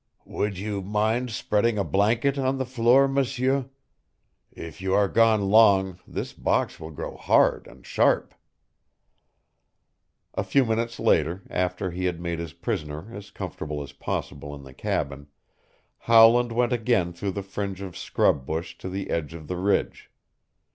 "Would you mind spreading a blanket on the floor, M'seur? If you are gone long this box will grow hard and sharp." A few minutes later, after he had made his prisoner as comfortable as possible in the cabin, Howland went again through the fringe of scrub bush to the edge of the ridge.